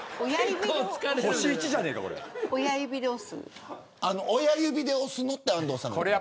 親指で押すのって安藤さんが。